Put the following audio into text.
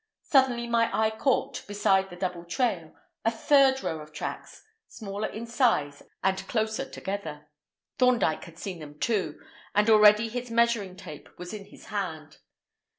Suddenly my eye caught, beside the double trail, a third row of tracks, smaller in size and closer together. Thorndyke had seen them, too, and already his measuring tape was in his hand.